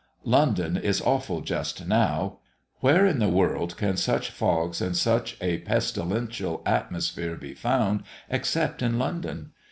London is awful just now. Where in all the world can such fogs and such a pestilential atmosphere be found, except in London?